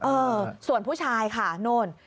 เออส่วนผู้ชายค่ะโน่น